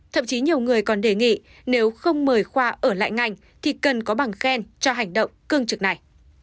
thậm chí nhiều người còn đề nghị nếu không mời khoa ở lại ngành thì cần có bằng khen cho hành động cương trực này